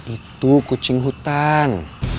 itu kucing hutan